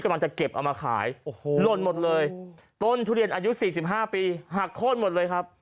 ล่นหมดเลยต้นทุเรียนอายุสี่สิบห้าปีหักโค้นหมดเลยครับ